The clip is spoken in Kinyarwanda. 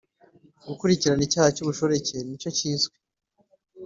Gukurikirana icyaha cy ubushoreke n icyo kizwi